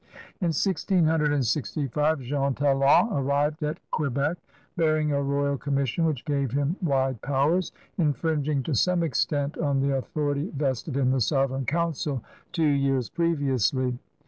In 1665 Jean Talon arrived at Quebec bearing a royal conunission which gave him wide powers, mfringing to some extent on the authority vested in the Sovereign Council two years previously.